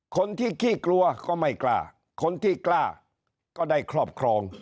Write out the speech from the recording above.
ขี้กลัวก็ไม่กล้าคนที่กล้าก็ได้ครอบครอง